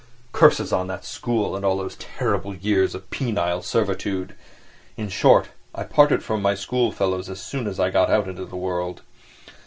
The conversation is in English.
Curses on that school and all those terrible years of penal servitude! In short, I parted from my schoolfellows as soon as I got out into the world.